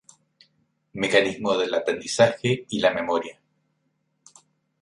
Mecanismos del aprendizaje y la memoria.